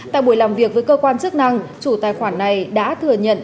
tại buổi làm việc với cơ quan chức năng chủ tài khoản này đã thừa nhận